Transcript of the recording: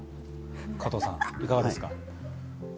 加藤さん、いかがですか？